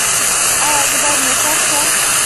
ایا زه باید نوکر شم؟